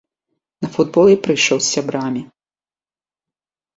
На футбол я прыйшоў з сябрамі.